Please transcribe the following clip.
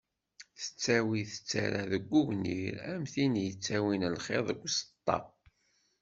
Tettawi tettara deg ugnir am tin yettawin lxiḍ deg uẓeṭṭa.